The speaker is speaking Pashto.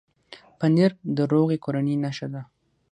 پنېر د روغې کورنۍ نښه ده.